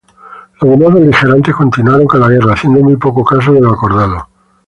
Los demás beligerantes continuaron con la guerra haciendo muy poco caso de lo acordado.